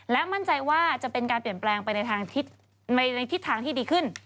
และมั่นใจว่าจะเป็นการเปลี่ยนแปลงไปในทิศทางที่ดีขึ้น